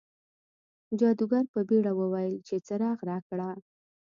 جادوګر په بیړه وویل چې څراغ راکړه.